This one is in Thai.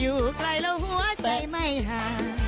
อยู่ไกลแล้วหัวใจไม่ห่าง